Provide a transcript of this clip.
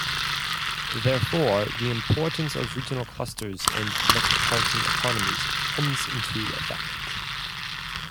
Therefore, the importance of regional clusters and metropolitan economies comes into effect.